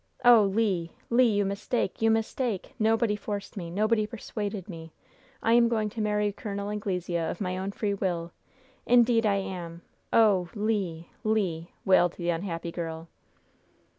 "Oh, Le! Le! you mistake! you mistake! Nobody forced me! Nobody persuaded me! I am going to marry Col. Anglesea of my own free will! Indeed I am! Oh, Le! Le!" wailed the unhappy girl.